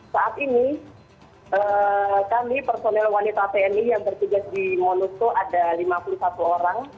saat ini kami personil wanita tni yang bertugas di monusco ada lima puluh satu orang